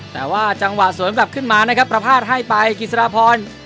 แต่ว่าจังหวะสวนกลับขึ้นมานะครับประพาทให้ไปกิจสดาพร